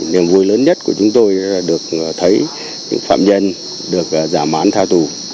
niềm vui lớn nhất của chúng tôi được thấy những phạm nhân được giảm án tha tù